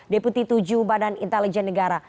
deputi tujuh badan intelijen negara